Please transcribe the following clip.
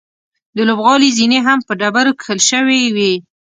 د لوبغالي زینې هم په ډبرو کښل شوې وې.